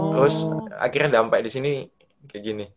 terus akhirnya dampe disini kayak gini